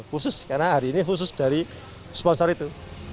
khusus karena hari ini khusus dari sponsor itu